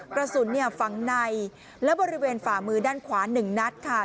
กระสุนฝังในและบริเวณฝ่ามือด้านขวา๑นัดค่ะ